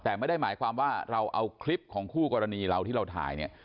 แต่ไม่ได้หมายความว่าเราเอาคลิปของคู่กรณีเราที่เราถ่ายเนี่ย